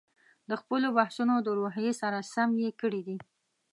د خپلو بحثونو د روحیې سره سم یې کړي دي.